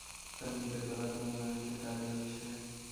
তাঁর নিজের বেলাতেও মনে হচ্ছে তা-ই হচ্ছে।